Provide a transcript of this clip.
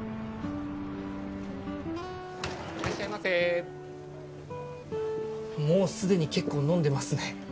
・いらっしゃいませ・もうすでに結構飲んでますね。